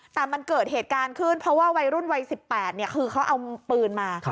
แต่มันเกิดเหตุการณ์ขึ้นเพราะว่าวัยรุ่นวัย๑๘คือเขาเอาปืนมา